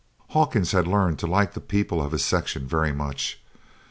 Hawkins had learned to like the people of his section very much.